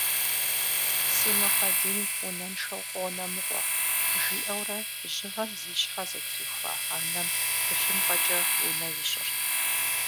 «Си Мухьэдин унэншэу къонэ мыгъуэ», жиӏэурэ жьыгъэм зи щхьэ зэтрихуа анэм тхылъымпӏэкӏэ унэ ищӏырт.